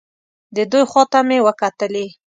د دوی خوا ته مې وکتلې.